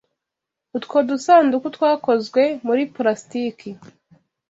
Utwo dusanduku twakozwe muri plastiki.